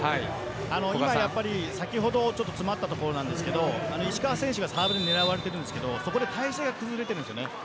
先ほど詰まったところなんですが石川選手がサーブで狙われているんですが体勢が崩れているんです。